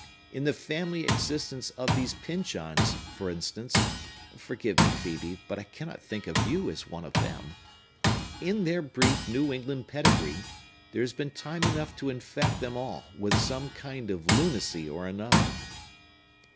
In the family existence of these Pyncheons, for instance,—forgive me Phœbe, but I cannot think of you as one of them,—in their brief New England pedigree, there has been time enough to infect them all with one kind of lunacy or another."